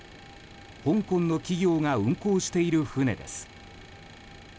香港の企業が運航している船です。